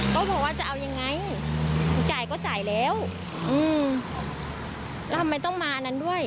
เขาบอกว่าจะเอายังไงจ่ายก็จ่ายแล้วอืมแล้วทำไมต้องมาอันนั้นด้วย